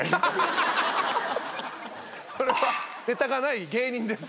それはネタがない芸人です。